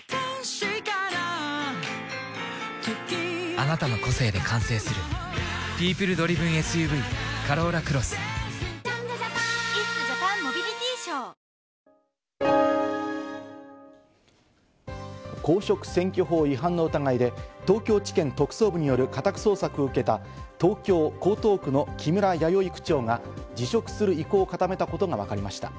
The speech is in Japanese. あなたの個性で完成する「ＰＥＯＰＬＥＤＲＩＶＥＮＳＵＶカローラクロス」公職選挙法違反の疑いで東京地検特捜部による家宅捜索を受けた東京・江東区の木村弥生区長が辞職する意向を固めたことがわかりました。